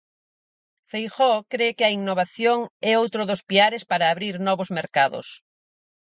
Feijóo cre que a innovación é outro dos piares para abrir novos mercados.